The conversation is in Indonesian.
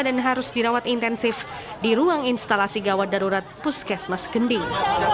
dan harus dirawat intensif di ruang instalasi gawat darurat puskesmas gending